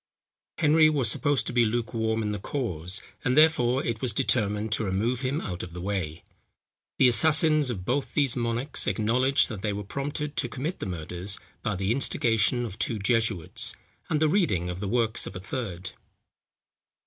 Henry was supposed to be lukewarm in the cause, and therefore it was determined to remove him out of the way. The assassins of both these monarchs acknowledged, that they were prompted to commit the murders, by the instigation of two jesuits, and the reading of the works of a third.